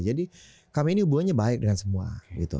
jadi kami ini hubungannya baik dengan semua gitu